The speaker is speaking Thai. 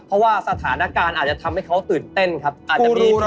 ผมว่าคิดทันแต่คิดผิด